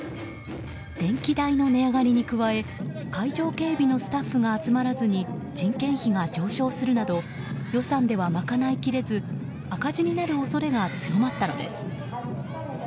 電気代の値上がりに加え会場警備のスタッフが集まらずに人件費が上昇するなど予算では賄いきれず赤字になる恐れが強まったのです。